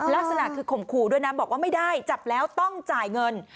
ลักษณะคือข่มขู่ด้วยนะบอกว่าไม่ได้จับแล้วต้องจ่ายเงิน